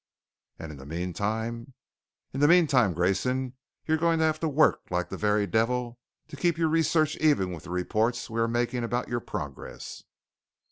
"And in the meantime?" "In the meantime, Grayson, you're going to have to work like the very devil to keep your research even with the reports we are making about your progress."